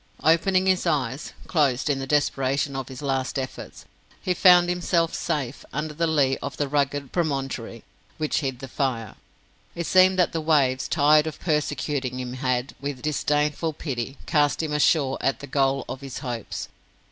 Opening his eyes closed in the desperation of his last efforts he found himself safe under the lee of the rugged promontory which hid the fire. It seemed that the waves, tired of persecuting him, had, with disdainful pity, cast him ashore at the goal of his hopes.